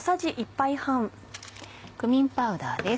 クミンパウダーです。